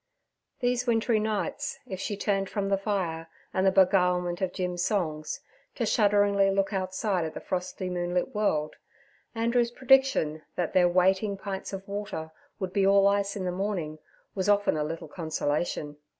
These wintry nights, if she turned from the fire and the beguilement of Jim's songs, to shudderingly look outside at the frosty moonlit world, Andrew's prediction that their waiting pints of water would be all ice in the morning was often a little consolation.